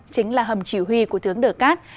chính là hầm chỉ huy của tướng đờ cát